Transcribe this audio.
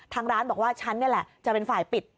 ทางร้านบอกว่าฉันนี่แหละจะเป็นฝ่ายปิด